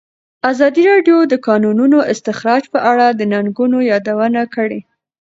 ازادي راډیو د د کانونو استخراج په اړه د ننګونو یادونه کړې.